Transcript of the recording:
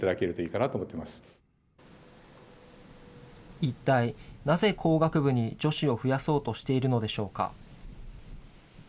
一体なぜ工学部に女子を増やそうとしているのでしょうか。